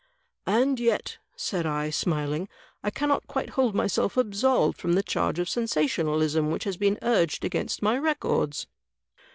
"And yet," said I, smiling "I cannot quite hold myself absolved from the charge of sensationalism which has been urged against my records."